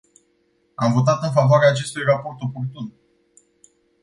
Am votat în favoarea acestui raport oportun.